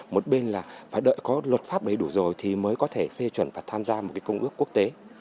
một bên là phải đợi có luật pháp đầy đủ rồi thì mới có thể phê chuẩn và tham gia một cái công ước quốc tế